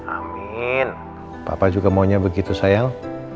amin papa juga maunya begitu sayang